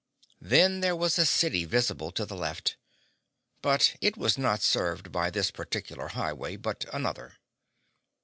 Then there was a city visible to the left. But it was not served by this particular highway, but another.